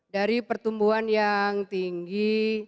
dari pertumbuhan yang tinggi